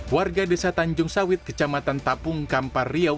warga desa tanjung sawit kecamatan tapung kampar riau